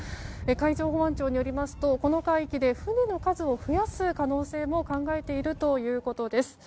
海上保安庁によるとこの海域で船の数を増やす可能性も考えているということです。